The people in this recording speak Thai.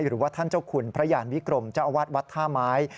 หรือว่าท่านเจ้าคุณพระยานวิกรมเจ้าอาวาสวัดท่าไม้